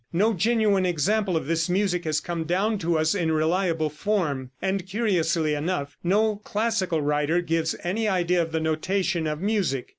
No genuine example of this music has come down to us in reliable form, and curiously enough, no classical writer gives any idea of the notation of music.